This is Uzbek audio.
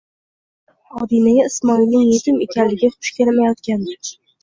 Odilaga Ismoilning yetim ekanligi xush kelmayotgandi.